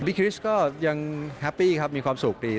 คริสก็ยังแฮปปี้ครับมีความสุขดี